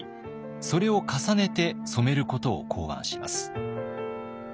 それを重ねて染めることを考案します。